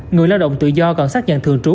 người lao động tự do còn xác nhận thường trú